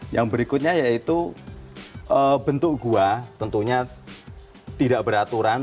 yang berikutnya yaitu bentuk gua tentunya tidak beraturan